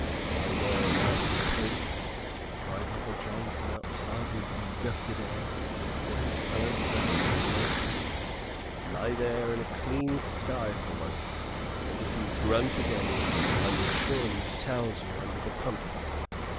"Lie there, nasty pig," cried Little John from outside with disgusted air, for his fellow servants to note. "Lie there in a clean sty for once; and if you grunt again I will surely souse you under the pump!"